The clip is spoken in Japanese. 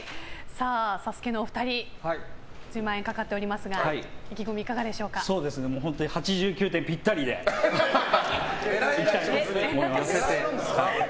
サスケのお二人１０万円かかっておりますが本当に８９点ぴったりでいきたいと思います。